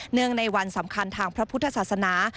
ในวันสำคัญทางพระพุทธศาสนา